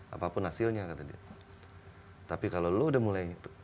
hai apapun yang kita lakukan kita terima kasih tuhan apapun yang kita lakukan kita terima kasih